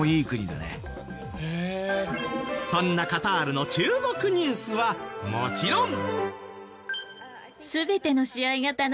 そんなカタールの注目ニュースはもちろん。